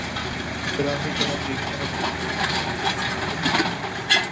براہ کرم ایک طرف ہو جایئے